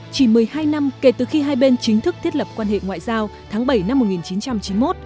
chỉ một mươi hai năm kể từ khi hai bên chính thức thiết lập quan hệ ngoại giao tháng bảy năm một nghìn chín trăm chín mươi một